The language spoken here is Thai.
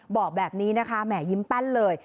บอกแบบนี้นะคะแหมยิ้มแป้นเลย